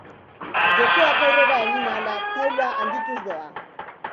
Jokoak aurrera egin ahala, taula handituz doa.